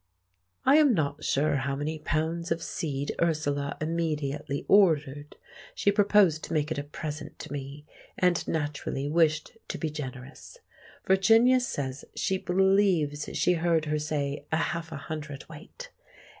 I am not sure how many pounds of seed Ursula immediately ordered; she proposed to make it a present to me, and naturally wished to be generous. Virginia says she believes she heard her say a half a hundredweight.